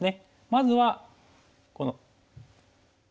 まずはこの。